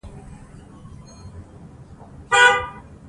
دښتې د ځوانانو د هیلو استازیتوب کوي.